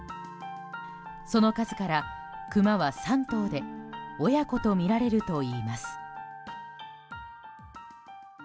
その数からクマは３頭で親子とみられるといいます。